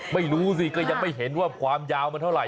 ไม่รู้สิก็ยังไม่เห็นว่าความยาวมันเท่าไห